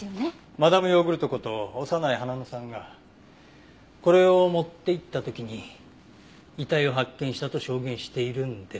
マダム・ヨーグルトこと長内花野さんがこれを持っていった時に遺体を発見したと証言しているんですが。